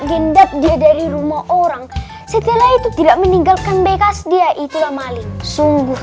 gendak dia dari rumah orang setelah itu tidak meninggalkan bekas dia itulah maling sungguh